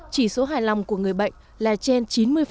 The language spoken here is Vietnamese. chỉ số hài lòng của người bệnh là trên chín mươi